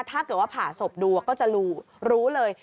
ถ้าเกิดว่าผ่าศพดูก็จะรู้เลย